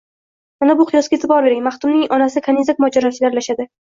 Mana bu qiyosga e’tibor bering: maxdumning otasi kanizak mojorosiga aralashadi